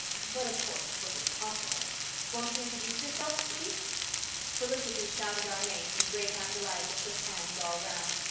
But of course it was impossible. "Won't you introduce yourselves, please?" Felicity shouted our names and Great aunt Eliza shook hands all round.